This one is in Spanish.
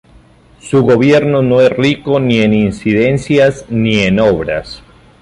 Su gobierno no es rico ni en incidencias ni en obras.